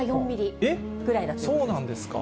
そうなんですか？